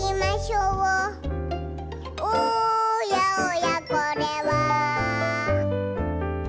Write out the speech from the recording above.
「おやおやこれは」